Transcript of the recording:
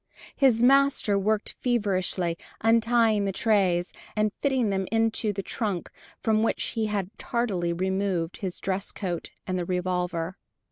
His master worked feverishly, untying the trays and fitting them into the trunk from which he had tardily removed his dress coat, and the revolver.